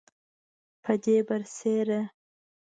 پدې برسیره